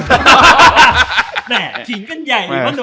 แม่ถิงกันใหญ่เลยว่ะ